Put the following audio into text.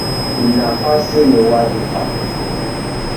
Nafasi ni wadhifa